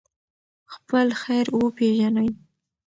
خپل خیر وپېژنئ.